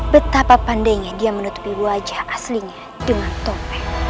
betapa pandainya dia menutupi wajah aslinya dengan topeng